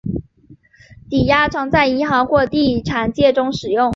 抵押常在银行或地产界中使用。